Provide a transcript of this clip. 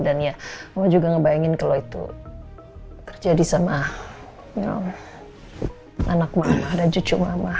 dan ya mama juga ngebayangin kalau itu terjadi sama anak mama dan cucu mama